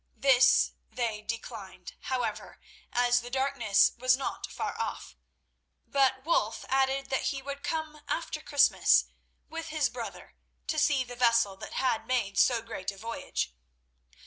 This they declined, however, as the darkness was not far off; but Wulf added that he would come after Christmas with his brother to see the vessel that had made so great a voyage.